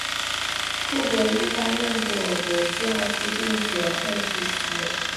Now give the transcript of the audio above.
库珀亦担任过国际艾滋病学会主席。